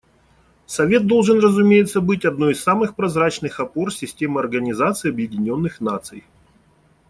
Совет должен, разумеется, быть одной из самых прозрачных опор системы Организации Объединенных Наций.